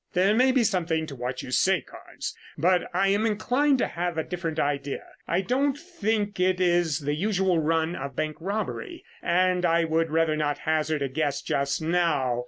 "There may be something in what you say, Carnes, but I am inclined to have a different idea. I don't think it is the usual run of bank robbery, and I would rather not hazard a guess just now.